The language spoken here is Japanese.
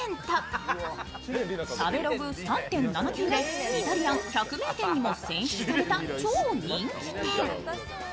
食べログ３．７９でイタリアン百名店にも選出された超人気店。